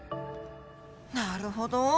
なるほど！